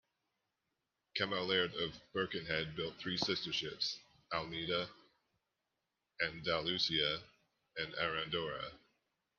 Cammell Laird of Birkenhead built three sister ships: "Almeda", "Andalucia" and "Arandora".